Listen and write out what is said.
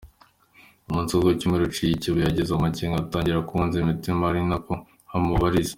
Umunsi wo ku cyumweru uciye ikibu yagize amakenga atangira kubunza imitima ari nako amubaririza.